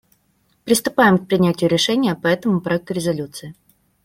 Приступаем к принятию решения по этому проекту резолюции.